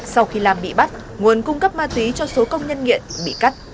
sau khi lam bị bắt nguồn cung cấp ma túy cho số công nhân nghiện bị cắt